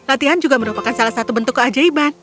latihan juga merupakan salah satu bentuk keajaiban